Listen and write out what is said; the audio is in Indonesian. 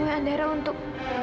menemui andara untuk